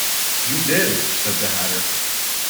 ‘You did!’ said the Hatter.